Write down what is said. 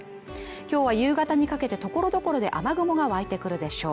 今日は夕方にかけて所々で雨雲が湧いてくるでしょう